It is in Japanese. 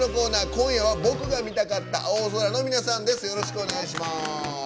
今夜は僕が見たかった青空の皆さんです。